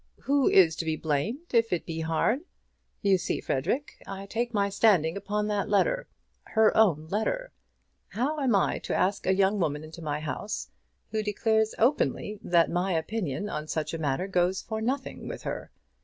"Who is to be blamed if it be hard? You see, Frederic, I take my standing upon that letter; her own letter. How am I to ask a young woman into my house who declares openly that my opinion on such a matter goes for nothing with her?